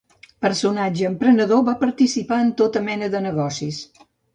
Personatge emprenedor, va participar en tota mena de negocis.